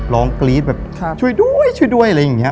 กรี๊ดแบบช่วยด้วยช่วยด้วยอะไรอย่างนี้